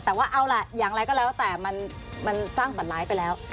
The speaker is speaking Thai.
แต่ว่าเอาล่ะอย่างไรก็แล้วแต่มันสร้างบัตรร้ายไปแล้ว